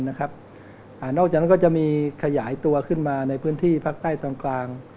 นอกจากนั้นก็จะมีขยายตัวขึ้นมาในพื้นที่ภาคใต้ตอนกลาง